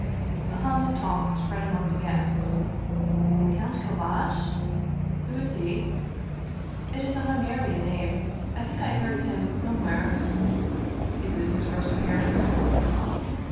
A hum of talk spread among the guests :" Count Kallash " "Who is he ?"" It is a Hungarian name I think I heard of him some where." " Is this his first appearance